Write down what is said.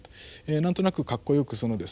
何となくかっこよくそのですね